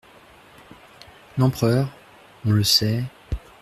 L’empereur… on le sait…